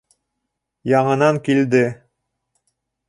Яңынан килде.